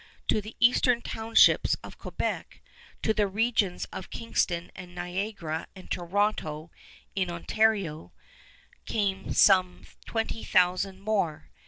To the eastern townships of Quebec, to the regions of Kingston and Niagara and Toronto in Ontario came some twenty thousand more.